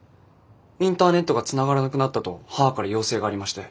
インターネットがつながらなくなったと母から要請がありまして。